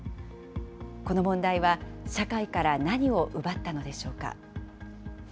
この問題は社会から何を奪ったのでしょうか。